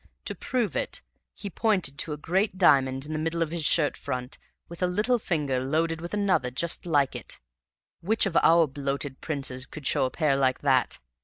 To prove it he pointed to a great diamond in the middle of his shirt front with a little finger loaded with another just like it: which of our bloated princes could show a pair like that?